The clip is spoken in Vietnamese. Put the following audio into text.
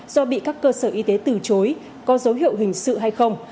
do bị các cơ sở y tế từ chối có dấu hiệu hình sự hay không